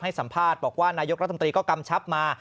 สัมภาษณ์บอกว่านายกรัฐมนตรีก็กำชับมา